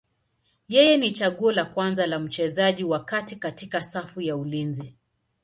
Yeye ni chaguo la kwanza la mchezaji wa kati katika safu ya ulinzi.